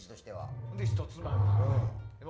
ひとつまみでね。